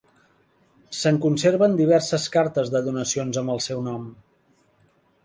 Se'n conserven diverses cartes de donacions amb el seu nom.